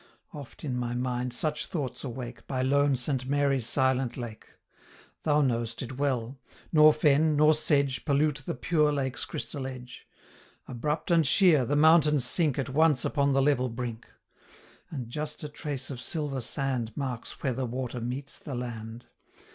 145 Oft in my mind such thoughts awake, By lone Saint Mary's silent lake; Thou know'st it well, nor fen, nor sedge, Pollute the pure lake's crystal edge; Abrupt and sheer, the mountains sink 150 At once upon the level brink; And just a trace of silver sand Marks where the water meets the land.